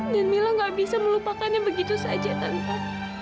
dan mila gak bisa melupakannya begitu saja tante